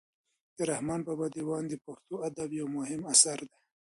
د رحمان بابا دېوان د پښتو ادب یو مهم اثر دی.